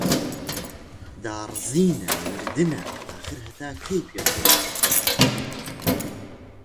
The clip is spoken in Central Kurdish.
داڕزینە، مردنە، ئاخر هەتا کەی پێت بڵێن